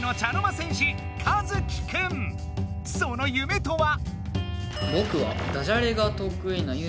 その夢とは？